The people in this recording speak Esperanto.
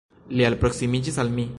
Li alproksimiĝis al mi.